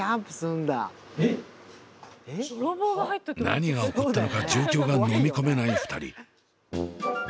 何が起こったのか状況が飲み込めない２人。